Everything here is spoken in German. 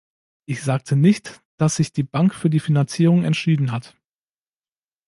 Ich sagte nicht, dass sich die Bank für die Finanzierung entschieden hat.